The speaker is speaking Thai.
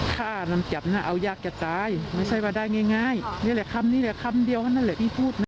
ค่านำจับน่ะเอายากจะตายไม่ใช่มาได้ง่ายนี่แหละคำนี้คำเดียวนั่นแหละพี่พูด